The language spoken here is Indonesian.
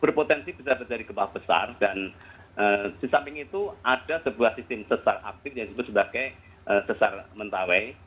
berpotensi bisa terjadi gempa besar dan di samping itu ada sebuah sistem sesar aktif yang disebut sebagai sesar mentawai